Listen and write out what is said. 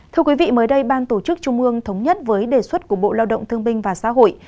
thưa quý vị mới đây ban tổ chức trung ương thống nhất với đề xuất của bộ lao động thương binh và xã hội